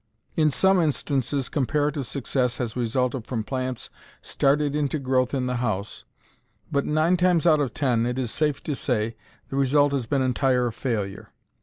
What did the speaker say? In some instances comparative success has resulted from plants started into growth in the house, but nine times out of ten, it is safe to say, the result has been entire failure.